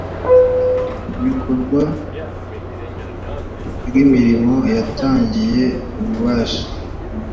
bikorwa ry imirimo yatangiye ububasha